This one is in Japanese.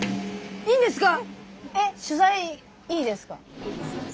いいんですか？